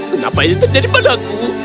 kenapa ini terjadi padaku